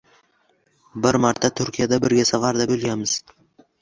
Bir marta Turkiyada birga safarda bo’lganmiz.